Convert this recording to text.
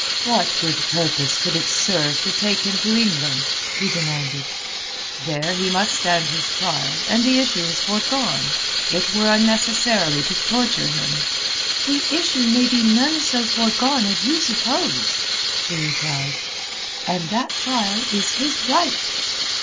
"What good purpose could it serve to take him to England?" he demanded. "There he must stand his trial, and the issue is foregone. It were unnecessarily to torture him." "The issue may be none so foregone as you suppose," she replied. "And that trial is his right."